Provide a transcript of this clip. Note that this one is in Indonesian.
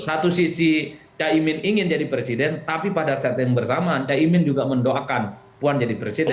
satu sisi cak imin ingin jadi presiden tapi pada saat yang bersamaan cak imin juga mendoakan puan jadi presiden